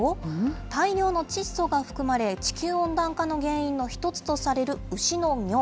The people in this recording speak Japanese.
大量の窒素が含まれ、地球温暖化の原因の一つとされる牛の尿。